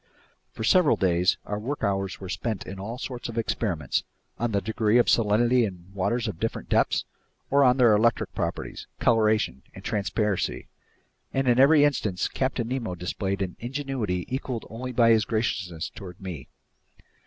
For several days our work hours were spent in all sorts of experiments, on the degree of salinity in waters of different depths, or on their electric properties, coloration, and transparency, and in every instance Captain Nemo displayed an ingenuity equaled only by his graciousness toward me.